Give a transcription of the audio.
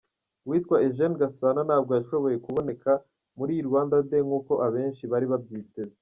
Uwitwa Eugene Gasana ntabwo yashoboye kuboneka muri iyi Rwanda Day nkuko abenshi bari babyiteze.